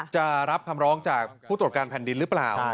จะรับคำร้องจากผู้ตรวจการแผ่นดินหรือเปล่า